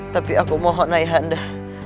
tapi aku mohon ayah anda